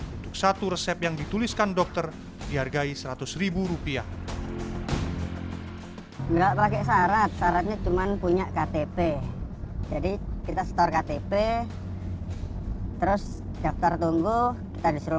untuk satu resep yang dituliskan dokter dihargai seratus ribu rupiah